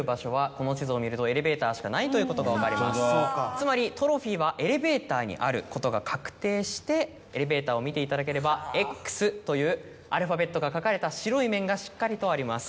つまりトロフィーはエレベーターにあることが確定してエレベーターを見ていただければ「Ｘ」というアルファベットが書かれた白い面がしっかりとあります。